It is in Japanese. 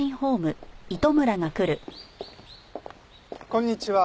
こんにちは。